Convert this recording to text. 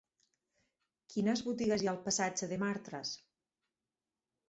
Quines botigues hi ha al passatge de Martras?